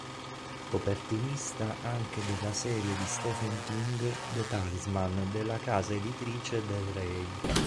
Copertinista anche della serie di Stephen King “The Talisman” della casa editrice Del Rey.